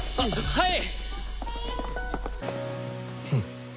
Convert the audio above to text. はい！